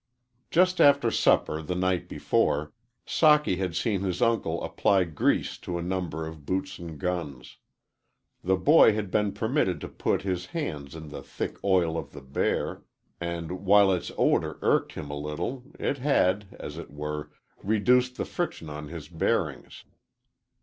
Just after supper the night before, Socky had seen his uncle apply grease to a number of boots and guns. The boy had been permitted to put his hands in the thick oil of the bear, and, while its odor irked him a little, it had, as it were, reduced the friction on his bearings.